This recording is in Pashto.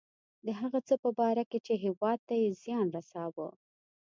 د هغه څه په باره کې چې هیواد ته یې زیان رساوه.